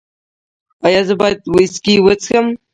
ایا زه باید ویسکي وڅښم؟